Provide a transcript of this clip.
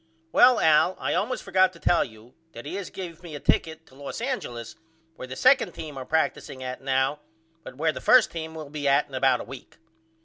Well Al I allmost forgot to tell you that he has gave me a ticket to Los Angeles where the 2d team are practicing at now but where the 1st team will be at in about a week.